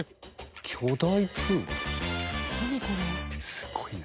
すごいな。